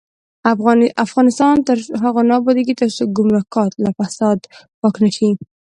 افغانستان تر هغو نه ابادیږي، ترڅو ګمرکات له فساده پاک نشي.